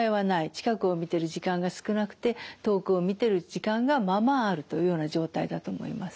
近くを見てる時間が少なくて遠くを見てる時間がまあまああるというような状態だと思います。